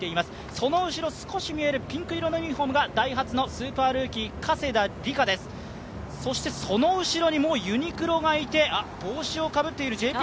その後ろ、少し見えるピンク色のユニフォームがダイハツのスーパールーキー、加世田梨花ですその後ろにもうユニクロがいて、帽子をかぶっているＪＰ